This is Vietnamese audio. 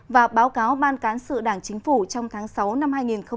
và báo cáo ban cán sự đảng chính phủ trong tháng sáu năm hai nghìn một mươi chín